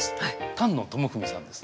丹野智文さんです。